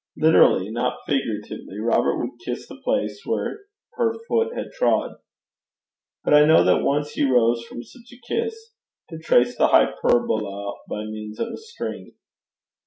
Literally, not figuratively, Robert would kiss the place where her foot had trod; but I know that once he rose from such a kiss 'to trace the hyperbola by means of a string.'